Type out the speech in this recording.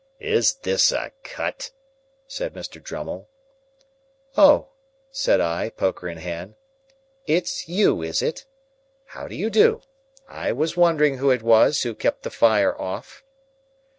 "Is this a cut?" said Mr. Drummle. "Oh!" said I, poker in hand; "it's you, is it? How do you do? I was wondering who it was, who kept the fire off."